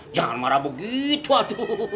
jangan marah begitu